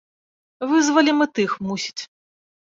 Вызвалім і тых, мусіць.